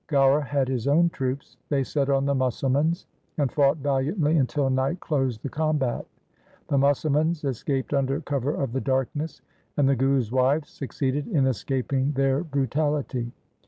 Gaura had his own troops. They set on the Musalmans and fought valiantly until night closed the combat. The Musalmans escaped under cover of the darkness, and the Guru's wives succeeded in escaping their brutality.